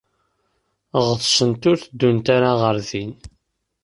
Ɣetsent ur tteddunt ara ɣer din.